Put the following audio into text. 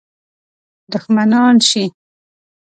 دښمنان شي.